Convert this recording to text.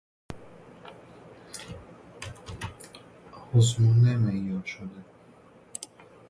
آزمون معیارشده